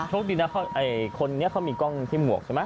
โชคดีนะคนนี้เขามีกล้องที่หมวกใช่ไหม